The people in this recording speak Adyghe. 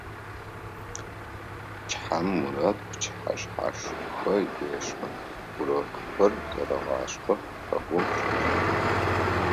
Пчыхьэм Мурат пчыхьэшъхьашхэ ешӏы, урокхэр зэрегъашӏэх, щагум щэджэгу.